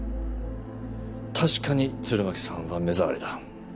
確かに鶴巻さんは目障りだ。